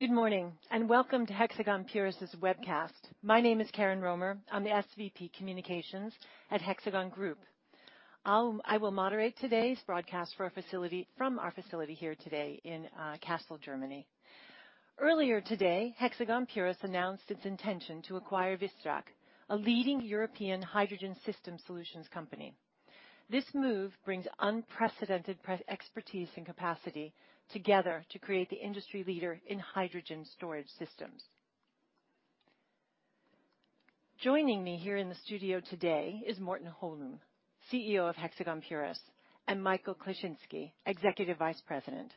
Good morning and welcome to Hexagon Purus' webcast. My name is Karen Romer. I'm the SVP Communications at Hexagon Group. I will moderate today's broadcast from our facility here today in Kassel, Germany. Earlier today, Hexagon Purus announced its intention to acquire Wystrach, a leading European hydrogen system solutions company. This move brings unprecedented expertise and capacity together to create the industry leader in hydrogen storage systems. Joining me here in the studio today is Morten Holum, CEO of Hexagon Purus, and Michael Kleschinski, Executive Vice President.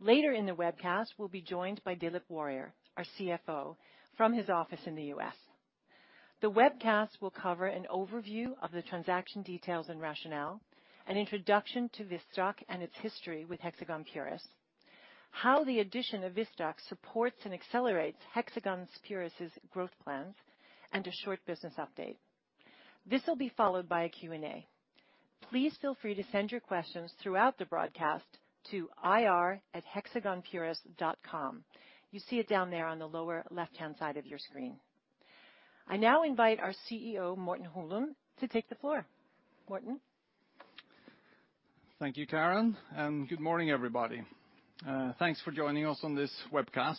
Later in the webcast, we'll be joined by Dilip Warrier, our CFO, from his office in the U.S. The webcast will cover an overview of the transaction details and rationale, an introduction to Wystrach and its history with Hexagon Purus, how the addition of Wystrach supports and accelerates Hexagon Purus' growth plans, and a short business update. This will be followed by a Q&A. Please feel free to send your questions throughout the broadcast to ir@hexagonpurus.com. You see it down there on the lower left-hand side of your screen. I now invite our CEO, Morten Holum, to take the floor. Morten. Thank you, Karen, and good morning, everybody. Thanks for joining us on this webcast.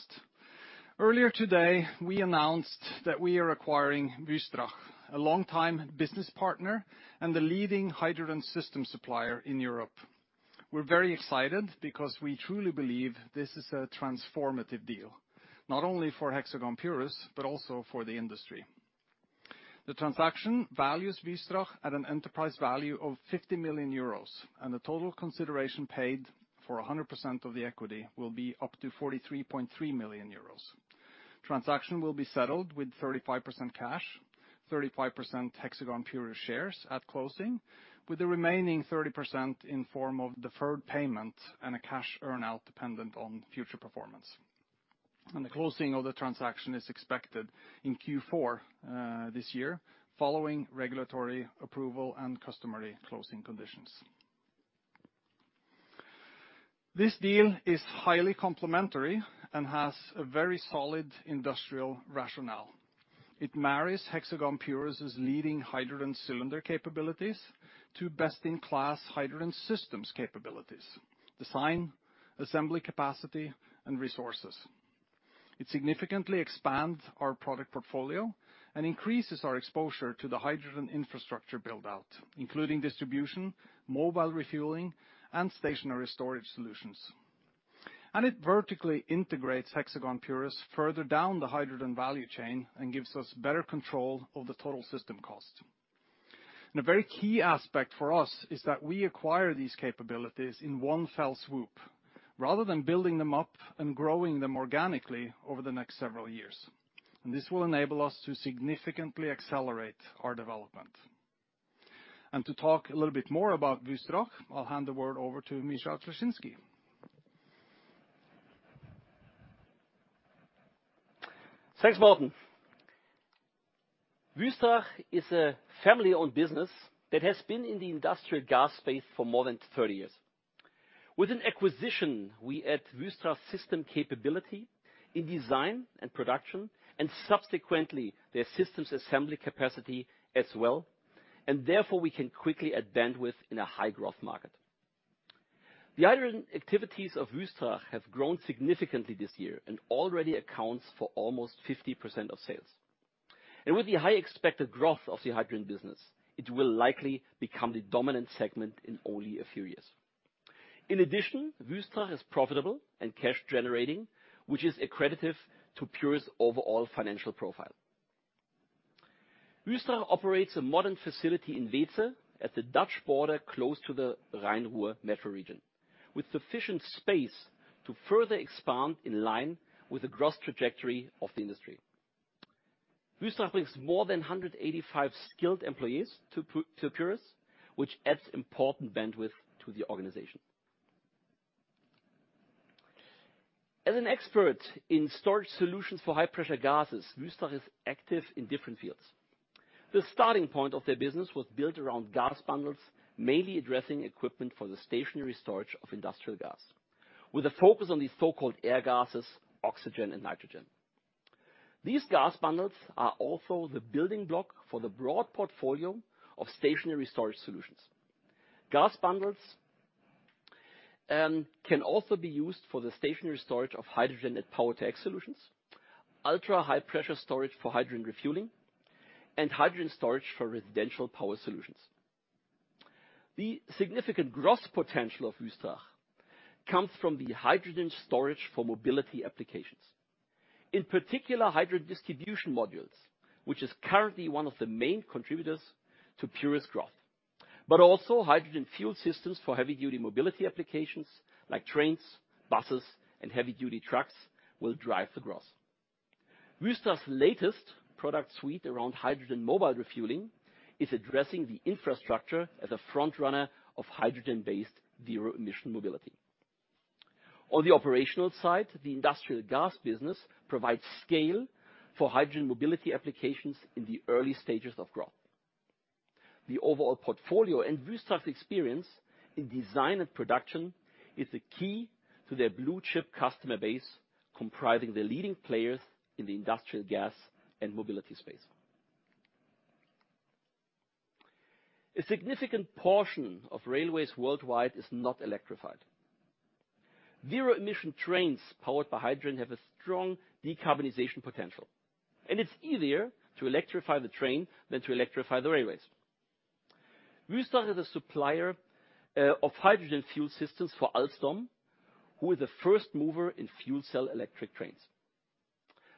Earlier today, we announced that we are acquiring Wystrach, a longtime business partner and the leading hydrogen system supplier in Europe. We're very excited because we truly believe this is a transformative deal, not only for Hexagon Purus but also for the industry. The transaction values Wystrach at an enterprise value of 50 million euros, and the total consideration paid for 100% of the equity will be up to 43.3 million euros. The transaction will be settled with 35% cash, 35% Hexagon Purus shares at closing, with the remaining 30% in the form of deferred payment and a cash earn-out dependent on future performance. The closing of the transaction is expected in Q4 this year, following regulatory approval and customary closing conditions. This deal is highly complementary and has a very solid industrial rationale. It marries Hexagon Purus' leading hydrogen cylinder capabilities to best-in-class hydrogen systems capabilities, design, assembly capacity, and resources. It significantly expands our product portfolio and increases our exposure to the hydrogen infrastructure build-out, including distribution, mobile refueling, and stationary storage solutions. It vertically integrates Hexagon Purus further down the hydrogen value chain and gives us better control of the total system cost. A very key aspect for us is that we acquire these capabilities in one fell swoop, rather than building them up and growing them organically over the next several years. This will enable us to significantly accelerate our development. To talk a little bit more about Wystrach, I'll hand the word over to Michael Kleschinski. Thanks, Morten. Wystrach is a family-owned business that has been in the industrial gas space for more than 30 years. With an acquisition, we add Wystrach's system capability in design and production, and subsequently their systems assembly capacity as well. Therefore, we can quickly add bandwidth in a high-growth market. The hydrogen activities of Wystrach have grown significantly this year and already account for almost 50% of sales. With the high expected growth of the hydrogen business, it will likely become the dominant segment in only a few years. In addition, Wystrach is profitable and cash-generating, which is accredited to Purus' overall financial profile. Wystrach operates a modern facility in Weeze at the Dutch border close to the Rhine-Ruhr metro region, with sufficient space to further expand in line with the growth trajectory of the industry. Wystrach brings more than 185 skilled employees to Purus, which adds important bandwidth to the organization. As an expert in storage solutions for high-pressure gases, Wystrach is active in different fields. The starting point of their business was built around gas bundles, mainly addressing equipment for the stationary storage of industrial gas, with a focus on the so-called air gases, oxygen, and nitrogen. These gas bundles are also the building block for the broad portfolio of stationary storage solutions. Gas bundles can also be used for the stationary storage of hydrogen at Power-to-Gas solutions, ultra-high-pressure storage for hydrogen refueling, and hydrogen storage for residential power solutions. The significant growth potential of Wystrach comes from the hydrogen storage for mobility applications, in particular hydrogen distribution modules, which is currently one of the main contributors to Purus' growth. Also, hydrogen fuel systems for heavy-duty mobility applications like trains, buses, and heavy-duty trucks will drive the growth. Wystrach's latest product suite around hydrogen mobile refueling is addressing the infrastructure as a front-runner of hydrogen-based zero-emission mobility. On the operational side, the industrial gas business provides scale for hydrogen mobility applications in the early stages of growth. The overall portfolio and Wystrach's experience in design and production is the key to their blue-chip customer base, comprising the leading players in the industrial gas and mobility space. A significant portion of railways worldwide is not electrified. Zero-emission trains powered by hydrogen have a strong decarbonization potential, and it's easier to electrify the train than to electrify the railways. Wystrach is a supplier of hydrogen fuel systems for Alstom, who is the first mover in fuel-cell electric trains.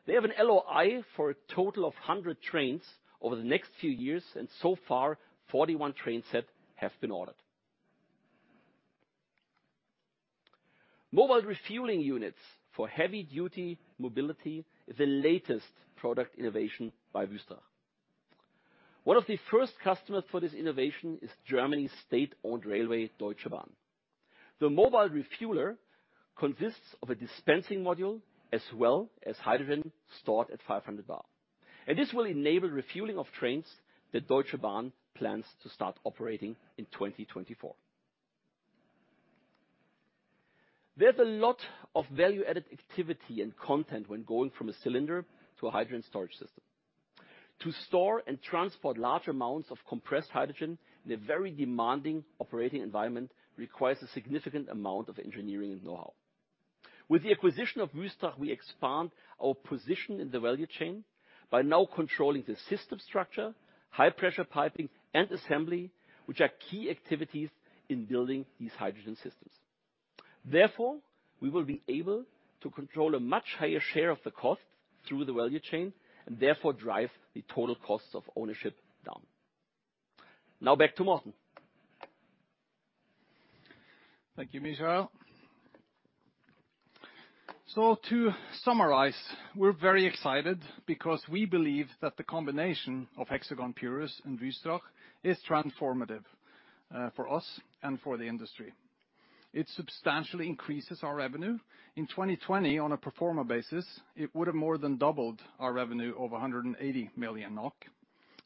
They have an LOI for a total of 100 trains over the next few years, and so far, 41 train sets have been ordered. Mobile refueling units for heavy-duty mobility is the latest product innovation by Wystrach. One of the first customers for this innovation is Germany's state-owned railway, Deutsche Bahn. The mobile refueler consists of a dispensing module as well as hydrogen stored at 500 bar. This will enable refueling of trains that Deutsche Bahn plans to start operating in 2024. There's a lot of value-added activity and content when going from a cylinder to a hydrogen storage system. To store and transport large amounts of compressed hydrogen in a very demanding operating environment requires a significant amount of engineering and know-how. With the acquisition of Wystrach, we expand our position in the value chain by now controlling the system structure, high-pressure piping, and assembly, which are key activities in building these hydrogen systems. Therefore, we will be able to control a much higher share of the cost through the value chain and therefore drive the total costs of ownership down. Now, back to Morten. Thank you, Michael. To summarize, we're very excited because we believe that the combination of Hexagon Purus and Vistrak is transformative for us and for the industry. It substantially increases our revenue. In 2020, on a pro forma basis, it would have more than doubled our revenue of 180 million NOK.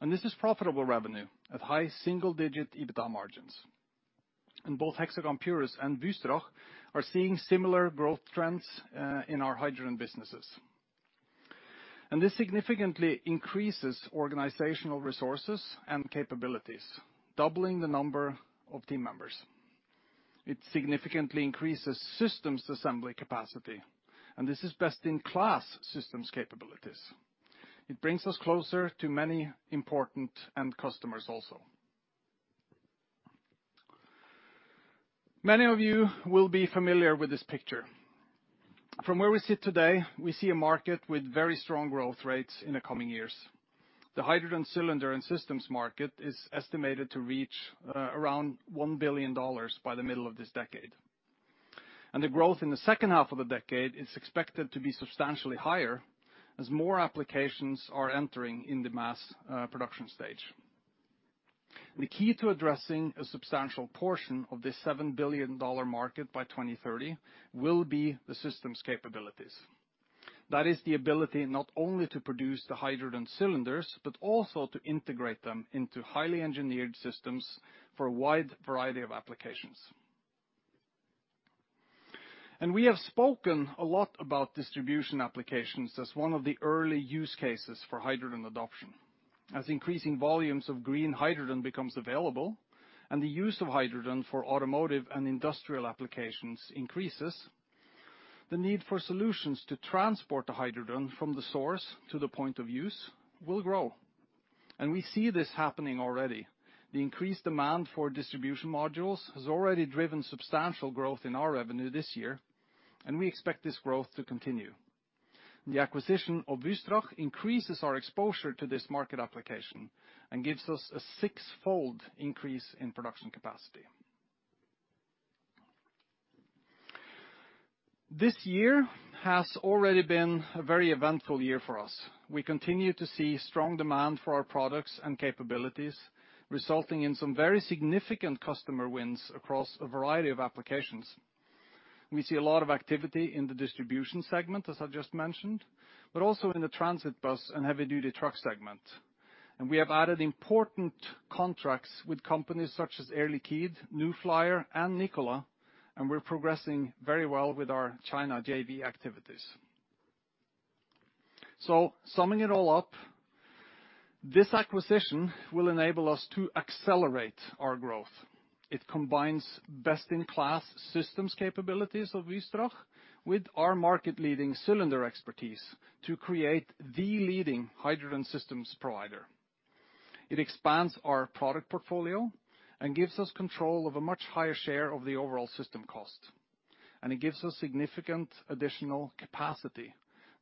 This is profitable revenue at high single-digit EBITDA margins. Both Hexagon Purus and Vistrak are seeing similar growth trends in our hydrogen businesses. This significantly increases organizational resources and capabilities, doubling the number of team members. It significantly increases systems assembly capacity, and this is best-in-class systems capabilities. It brings us closer to many important end customers also. Many of you will be familiar with this picture. From where we sit today, we see a market with very strong growth rates in the coming years. The hydrogen cylinder and systems market is estimated to reach around $1 billion by the middle of this decade. The growth in the second half of the decade is expected to be substantially higher as more applications are entering in the mass production stage. The key to addressing a substantial portion of this $7 billion market by 2030 will be the systems capabilities. That is the ability not only to produce the hydrogen cylinders but also to integrate them into highly engineered systems for a wide variety of applications. We have spoken a lot about distribution applications as one of the early use cases for hydrogen adoption. As increasing volumes of green hydrogen become available and the use of hydrogen for automotive and industrial applications increases, the need for solutions to transport the hydrogen from the source to the point of use will grow. We see this happening already. The increased demand for distribution modules has already driven substantial growth in our revenue this year, and we expect this growth to continue. The acquisition of Wystrach increases our exposure to this market application and gives us a sixfold increase in production capacity. This year has already been a very eventful year for us. We continue to see strong demand for our products and capabilities, resulting in some very significant customer wins across a variety of applications. We see a lot of activity in the distribution segment, as I just mentioned, but also in the transit bus and heavy-duty truck segment. We have added important contracts with companies such as Air Liquide, New Flyer, and Nikola. We're progressing very well with our China JV activities. Summing it all up, this acquisition will enable us to accelerate our growth. It combines best-in-class systems capabilities of Wystrach with our market-leading cylinder expertise to create the leading hydrogen systems provider. It expands our product portfolio and gives us control of a much higher share of the overall system cost. It gives us significant additional capacity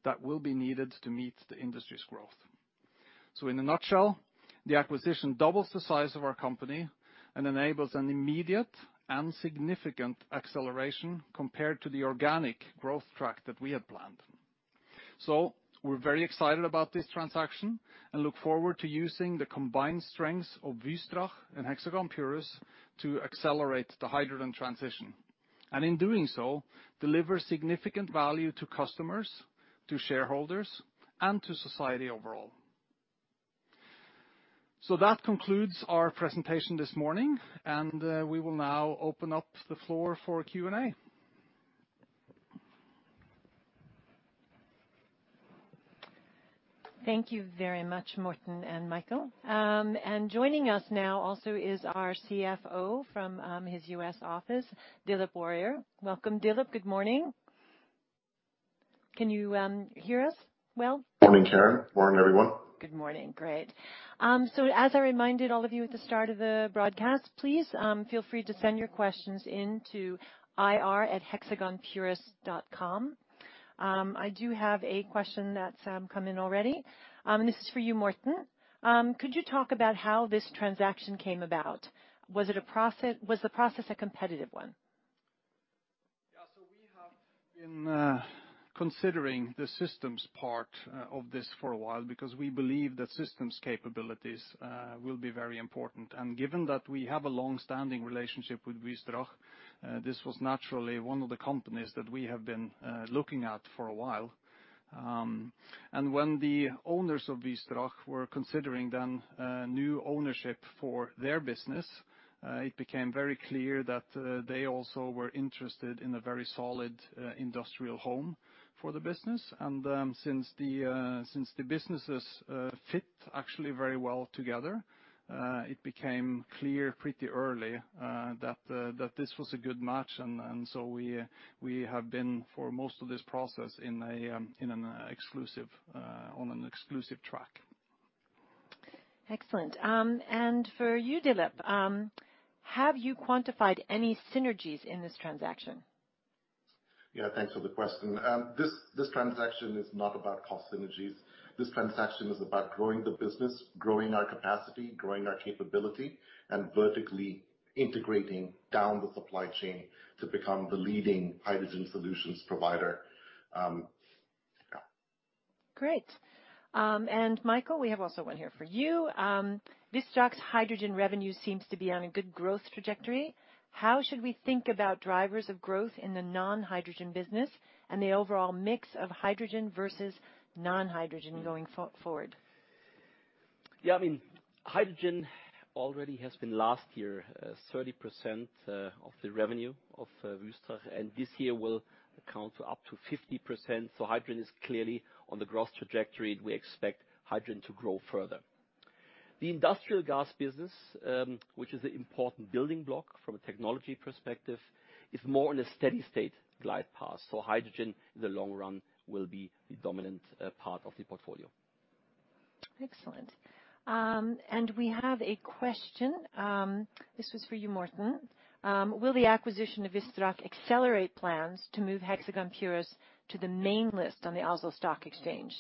that will be needed to meet the industry's growth. In a nutshell, the acquisition doubles the size of our company and enables an immediate and significant acceleration compared to the organic growth track that we had planned. We're very excited about this transaction and look forward to using the combined strengths of Wystrach and Hexagon Purus to accelerate the hydrogen transition, and in doing so, deliver significant value to customers, to shareholders, and to society overall. That concludes our presentation this morning, and we will now open up the floor for Q&A. Thank you very much, Morten and Michael. Joining us now also is our CFO from his U.S. office, Dilip Warrier. Welcome, Dilip. Good morning. Can you hear us well? Morning, Karen Romer, everyone. Good morning. Great. As I reminded all of you at the start of the broadcast, please feel free to send your questions into ir@hexagonpurus.com. I do have a question that's come in already. This is for you, Morten. Could you talk about how this transaction came about? Was the process a competitive one? Yeah. We have been considering the systems part of this for a while because we believe that systems capabilities will be very important. Given that we have a long-standing relationship with Wystrach, this was naturally one of the companies that we have been looking at for a while. When the owners of Wystrach were considering then new ownership for their business, it became very clear that they also were interested in a very solid industrial home for the business. Since the businesses fit actually very well together, it became clear pretty early that this was a good match. We have been for most of this process on an exclusive track. Excellent. For you, Dilip, have you quantified any synergies in this transaction? Yeah. Thanks for the question. This transaction is not about cost synergies. This transaction is about growing the business, growing our capacity, growing our capability, and vertically integrating down the supply chain to become the leading hydrogen solutions provider. Great. Michael, we have also one here for you. Wystrach's hydrogen revenue seems to be on a good growth trajectory. How should we think about drivers of growth in the non-hydrogen business and the overall mix of hydrogen versus non-hydrogen going forward? Yeah. Hydrogen already has been last year 30% of the revenue of Wystrach, and this year will account for up to 50%. Hydrogen is clearly on the growth trajectory. We expect hydrogen to grow further. The industrial gas business, which is an important building block from a technology perspective, is more in a steady-state glide path. Hydrogen in the long run will be the dominant part of the portfolio. Excellent. We have a question. This was for you, Morten. Will the acquisition of Vistrak accelerate plans to move Hexagon Purus to the main list on the Oslo Stock Exchange?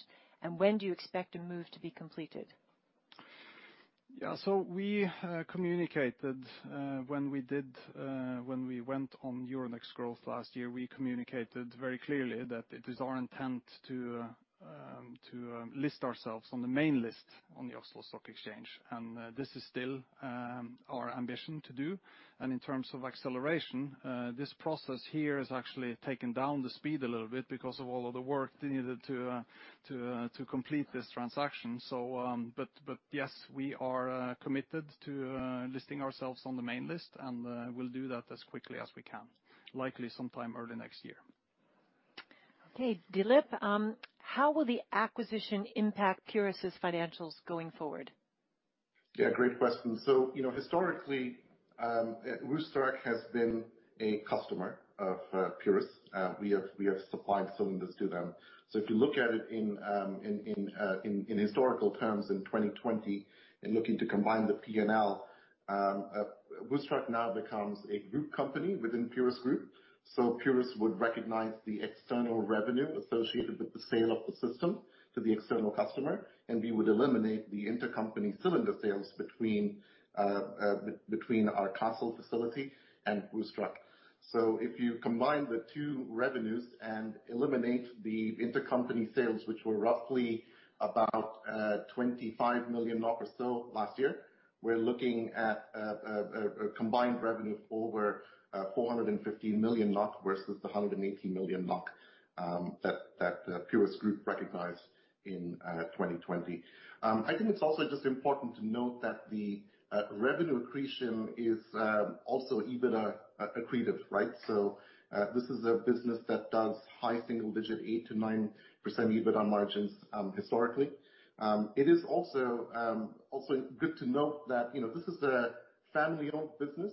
When do you expect the move to be completed? Yeah. We communicated when we went on Euronext Growth last year. We communicated very clearly that it is our intent to list ourselves on the main list on the Oslo Stock Exchange. This is still our ambition to do. In terms of acceleration, this process here has actually taken down the speed a little bit because of all of the work needed to complete this transaction. But yes, we are committed to listing ourselves on the main list, and we'll do that as quickly as we can, likely sometime early next year. Okay. Dilip, how will the acquisition impact Purus' financials going forward? Yeah. Great question. Historically, Vistrak has been a customer of Purus. We have supplied cylinders to them. If you look at it in historical terms in 2020 and looking to combine the P&L, Vistrak now becomes a group company within Purus Group. Purus would recognize the external revenue associated with the sale of the system to the external customer, and we would eliminate the intercompany cylinder sales between our Kassel facility and Vistrak. If you combine the two revenues and eliminate the intercompany sales, which were roughly about 25 million NOK or so last year, we're looking at a combined revenue of over 415 million NOK versus the 180 million NOK that Purus Group recognized in 2020. I think it's also just important to note that the revenue accretion is also EBITDA accretive. This is a business that does high single-digit 8%-9% EBITDA margins historically. It is also good to note that this is a family-owned business.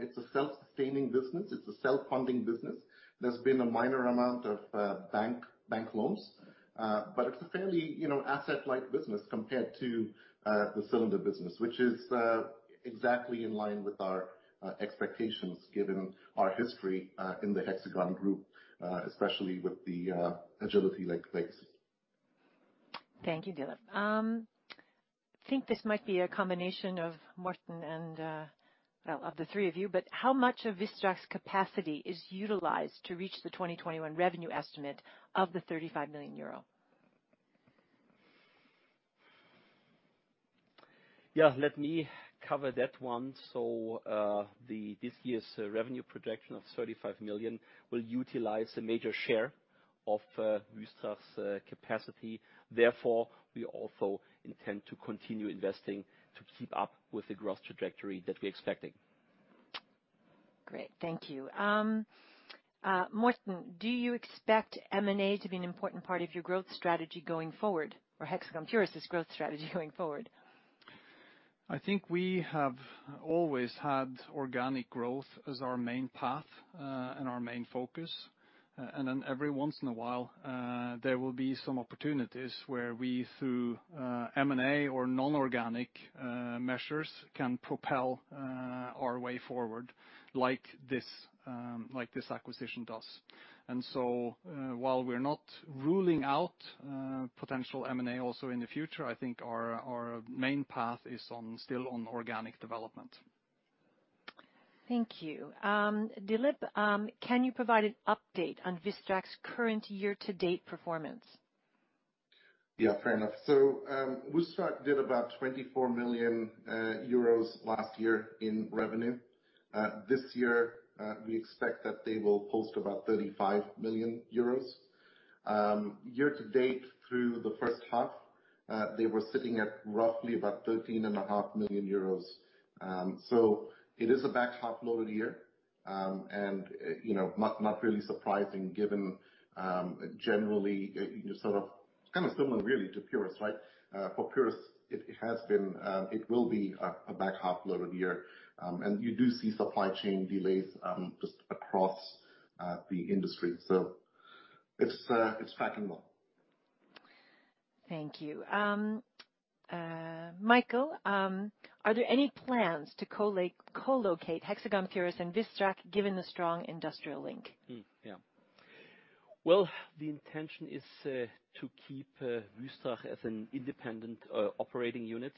It's a self-sustaining business. It's a self-funding business. There's been a minor amount of bank loans, but it's a fairly asset-light business compared to the cylinder business, which is exactly in line with our expectations given our history in the Hexagon Group, especially with the Agility legacy. Thank you, Dilip. I think this might be a combination of Morten and of the three of you, but how much of Wystrach's capacity is utilized to reach the 2021 revenue estimate of the 35 million euro? Yeah. Let me cover that one. This year's revenue projection of 35 million will utilize a major share of Vistrak's capacity. Therefore, we also intend to continue investing to keep up with the growth trajectory that we're expecting. Great. Thank you. Morten, do you expect M&A to be an important part of your growth strategy going forward, or Hexagon Purus' growth strategy going forward? I think we have always had organic growth as our main path and our main focus. Every once in a while, there will be some opportunities where we, through M&A or non-organic measures, can propel our way forward like this acquisition does. While we're not ruling out potential M&A also in the future, I think our main path is still on organic development. Thank you. Dilip, can you provide an update on Wystrach's current year-to-date performance? Yeah, fair enough. Wystrach did about 24 million euros last year in revenue. This year, we expect that they will post about 35 million euros. Year-to-date, through the first half, they were sitting at roughly about 13.5 million euros. It is a back-half-loaded year and not really surprising given generally kind of similar really to Purus. For Purus, it will be a back-half-loaded year. You do see supply chain delays just across the industry. It's tracking well. Thank you. Michael, are there any plans to co-locate Hexagon Purus and Wystrach given the strong industrial link? Yeah. Well, the intention is to keep Vistrak as an independent operating unit,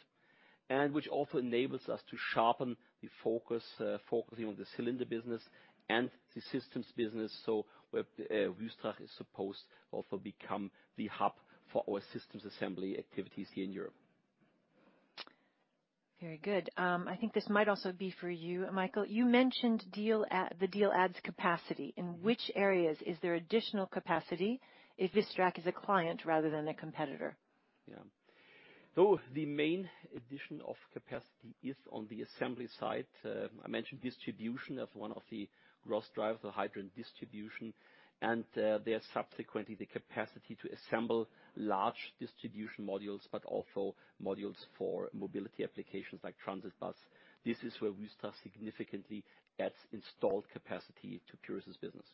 which also enables us to sharpen the focus on the cylinder business and the systems business. Vistrak is supposed to also become the hub for our systems assembly activities here in Europe. Very good. I think this might also be for you, Michael. You mentioned the deal adds capacity. In which areas is there additional capacity if Vistrak is a client rather than a competitor? Yeah. The main addition of capacity is on the assembly side. I mentioned distribution as one of the growth drivers, the hydrogen distribution, and there's subsequently the capacity to assemble large distribution modules, but also modules for mobility applications like transit bus. This is where Wystrach significantly adds installed capacity to Purus' business.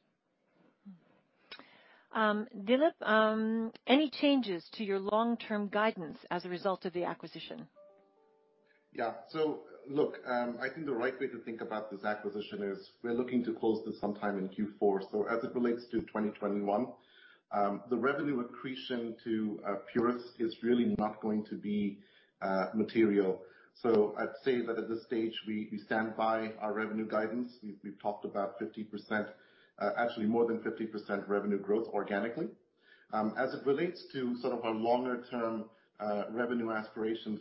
Dilip, any changes to your long-term guidance as a result of the acquisition? Yeah. Look, I think the right way to think about this acquisition is we're looking to close this sometime in Q4. As it relates to 2021, the revenue accretion to Purus is really not going to be material. I'd say that at this stage, we stand by our revenue guidance. We've talked about 50%, actually more than 50% revenue growth organically. As it relates to our longer-term revenue aspirations,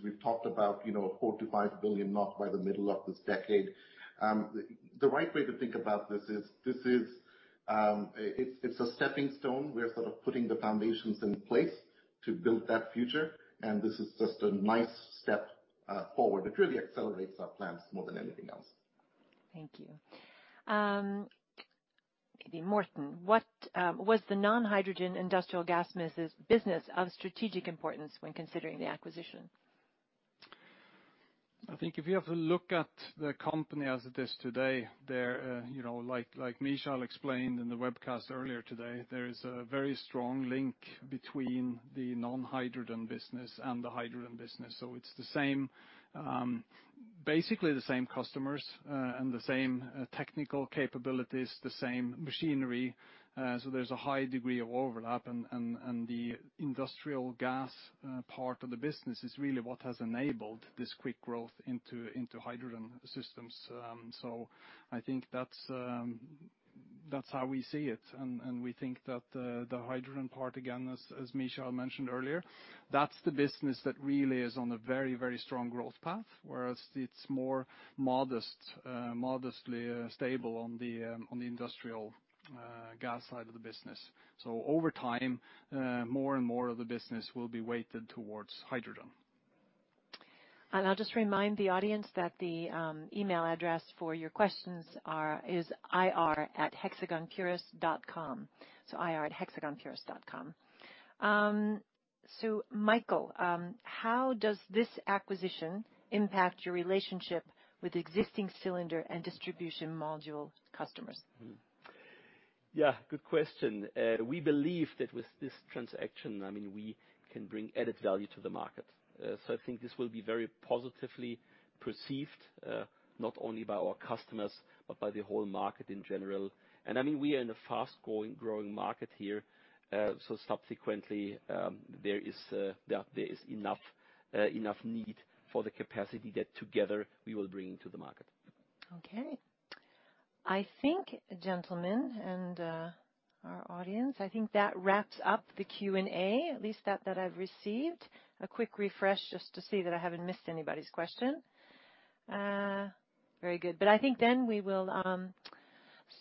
we've talked about 4 billion-5 billion by the middle of this decade. The right way to think about this is it's a stepping stone. We're putting the foundations in place to build that future, and this is just a nice step forward. It really accelerates our plans more than anything else. Thank you. Morten, was the non-hydrogen industrial gas business of strategic importance when considering the acquisition? I think if you have to look at the company as it is today, like Michael explained in the webcast earlier today, there is a very strong link between the non-hydrogen business and the hydrogen business. It's basically the same customers and the same technical capabilities, the same machinery. There's a high degree of overlap, and the industrial gas part of the business is really what has enabled this quick growth into hydrogen systems. I think that's how we see it. We think that the hydrogen part, again, as Michael mentioned earlier, that's the business that really is on a very, very strong growth path, whereas it's more modestly stable on the industrial gas side of the business. Over time, more and more of the business will be weighted towards hydrogen. I'll just remind the audience that the email address for your questions is ir@hexagonpurus.com. Michael, how does this acquisition impact your relationship with existing cylinder and distribution module customers? Yeah. Good question. We believe that with this transaction, we can bring added value to the market. I think this will be very positively perceived not only by our customers but by the whole market in general. We are in a fast-growing market here, so subsequently, there is enough need for the capacity that together we will bring into the market. Okay. I think, gentlemen and our audience, I think that wraps up the Q&A, at least that I've received. A quick refresh just to see that I haven't missed anybody's question. Very good. I think then we will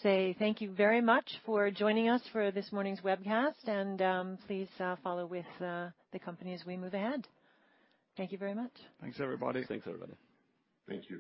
say thank you very much for joining us for this morning's webcast, and please follow with the company as we move ahead. Thank you very much. Thanks, everybody. Thanks, everybody. Thank you.